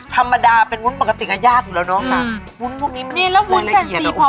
ธรรมดาเป็นวุ้นปกติก็ยากอยู่แล้วเนอะค่ะ